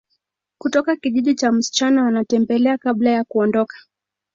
Kutoka kijiji cha msichana wanamtembelea kabla ya kuondoka